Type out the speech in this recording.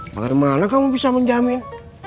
bagaimana kamu bisa menjamin